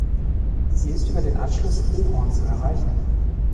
Sie ist über den Anschluss "Ohorn" zu erreichen.